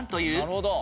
なるほど。